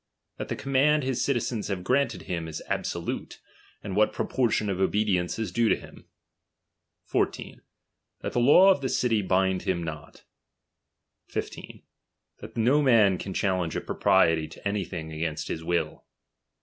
That the command his citizens have granted is absolute, and what proportion of obedience is due to him. 14, Tliatthe laws of the city bind htm not. IS. That no man can challenge a propriety to anything against his will.